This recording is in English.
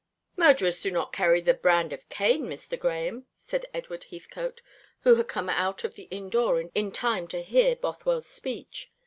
"Murderers do not carry the brand of Cain, Mr. Grahame," said Edward Heathcote, who had come out of the inn door in time to hear Bothwell's speech.